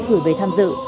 gửi về tham dự